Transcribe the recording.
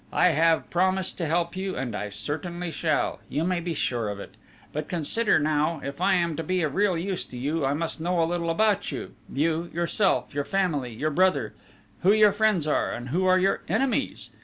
I have promised to help you, and I certainly shall you may be sure of it. But consider now if I am to be of real use to you, I must know a little about you: you, yourself, your family, your brother; who your friends are, and who are your enemies!